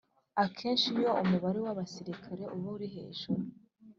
Akenshi iyo umubare w abasirikari uba uri hejuru